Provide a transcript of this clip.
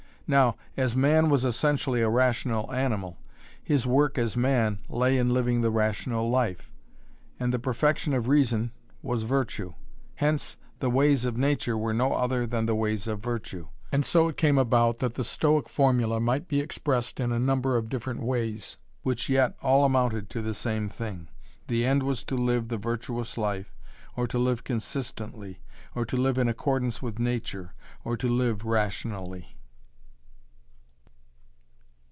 Now, as man was essentially a rational animal, his work as man lay in living the rational life. And the perfection of reason was virtue. Hence the ways of nature were no other than the ways of virtue. And so it came about that the Stoic formula might be expressed in a number of different ways which yet all amounted to the same thing. The end was to live the virtuous life, or to live consistently, or to live in accordance with nature, or to live rationally.